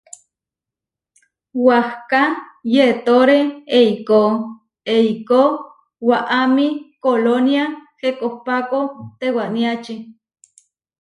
Wahká yetóre eikó eikó waʼámi kolónia Hekopáko tewaniáči.